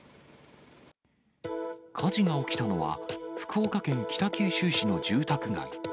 火事が起きたのは、福岡県北九州市の住宅街。